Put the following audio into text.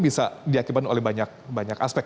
bisa diakibatkan oleh banyak aspek